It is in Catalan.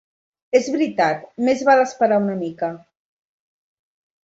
És veritat: més val esperar una mica.